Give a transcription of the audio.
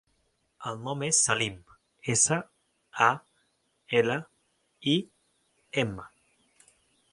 El nom és Salim: essa, a, ela, i, ema.